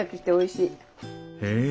へえ！